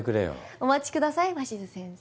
お待ちください鷲津先生。